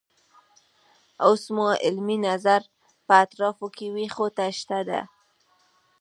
اوس مو علمي نظر په اطرافو کې پیښو ته شته دی.